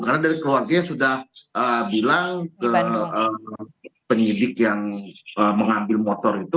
karena dari keluarganya sudah bilang ke penyidik yang mengambil motor itu